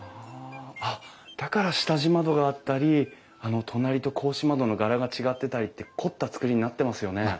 あっだから下地窓があったり隣と格子窓の柄が違ってたりって凝った造りになってますよね。